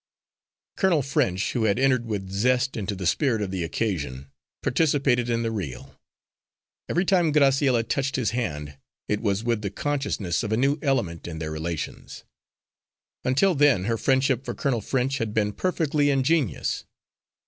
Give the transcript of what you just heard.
Colonel French, who had entered with zest into the spirit of the occasion, participated in the reel. Every time Graciella touched his hand, it was with the consciousness of a new element in their relations. Until then her friendship for Colonel French had been perfectly ingenuous.